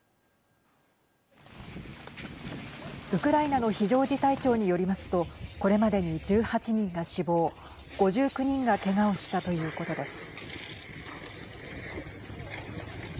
ウクライナの非常事態庁によりますとこれまでに１８人が死亡５９人がけがをしたということです。